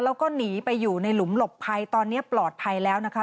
แล้วก็หนีไปอยู่ในหลุมหลบภัยตอนนี้ปลอดภัยแล้วนะคะ